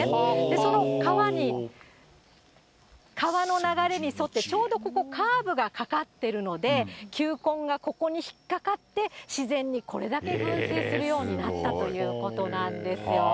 その川に、川の流れに沿って、ちょうどここ、カーブがかかってるので、球根がここに引っ掛かって、自然にこれだけ群生するようになったということなんですよ。